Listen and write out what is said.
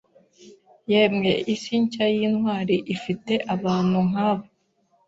Yemwe isi nshya yintwari, ifite abantu nkabo.